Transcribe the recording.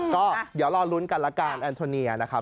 ก็เดี๋ยวรอลุ้นกันละกันแอนโทเนียนะครับ